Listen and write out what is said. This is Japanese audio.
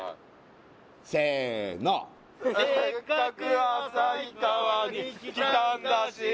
せの「せっかく旭川に来たんだし」